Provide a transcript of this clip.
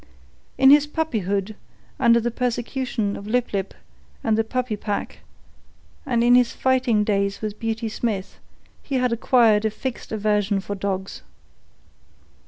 In his puppyhood, under the persecution of Lip lip and the puppy pack, and in his fighting days with Beauty Smith, he had acquired a fixed aversion for dogs.